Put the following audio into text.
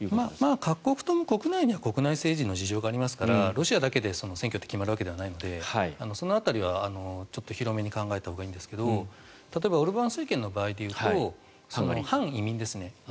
まあ各国とも国内には国内政治の事情がありますからロシアだけで選挙って決まるわけではないのでその辺りはちょっと広めに考えたほうがいいんですが例えばオルバン政権の場合で言うと反移民ですね。